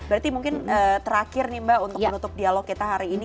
berarti mungkin terakhir nih mbak untuk menutup dialog kita hari ini